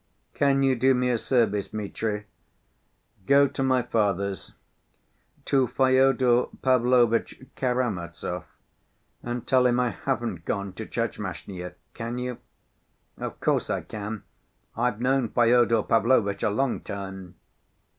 "Can you do me a service, Mitri? Go to my father's, to Fyodor Pavlovitch Karamazov, and tell him I haven't gone to Tchermashnya. Can you?" "Of course I can. I've known Fyodor Pavlovitch a long time."